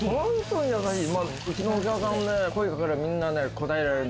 うちのお客さん、声かけられても皆、応えられる。